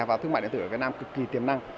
và thương mại điện tử ở việt nam cực kỳ tiềm năng